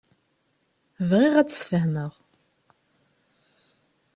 Bɣiɣ ad d-sfehmeɣ.